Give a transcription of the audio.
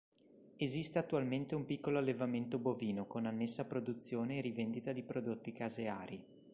Esiste attualmente un piccolo allevamento bovino con annessa produzione e rivendita di prodotti caseari.